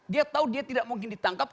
dia tahu dia tidak mungkin ditangkap